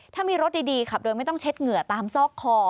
ถ้ามีรถดีขับโดยไม่ต้องเช็ดเหงื่อตามซอกคอ